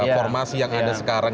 formasi yang ada sekarang